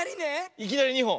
いきなり２ほん。